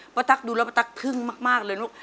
ประตักดูแล้วประตักทึ่งมากเลยลูก